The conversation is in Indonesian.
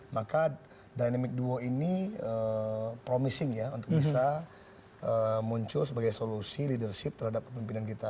maka dynamic duo ini promising ya untuk bisa muncul sebagai solusi leadership terhadap kepemimpinan kita